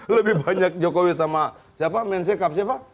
lebih banyak jokowi sama siapa mensekap siapa